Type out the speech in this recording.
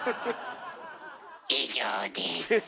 以上です。